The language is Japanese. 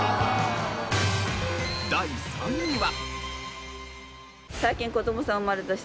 第３位は。